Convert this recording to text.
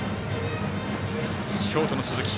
ショートの鈴木。